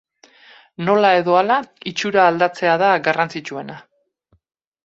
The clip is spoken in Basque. Nola edo hala itxura aldatzea da garrantzitsuena.